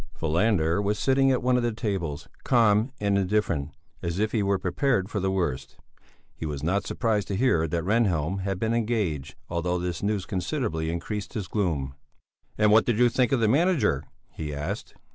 Falander was sitting at one of the tables, calm and indifferent, as if he were prepared for the worst. He was not surprised to hear that Rehnhjelm had been engaged, although this news considerably increased his gloom. "And what did you think of the manager?" he asked.